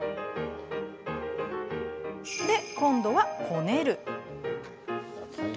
で、今度は、こねる。